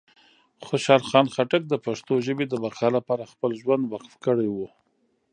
خوشحال خان خټک د پښتو ژبې د بقا لپاره خپل ژوند وقف کړی و.